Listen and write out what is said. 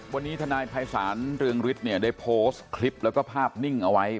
วันนี้ทนายภัยศาลเรืองฤทธิ์เนี่ยได้โพสต์คลิปแล้วก็ภาพนิ่งเอาไว้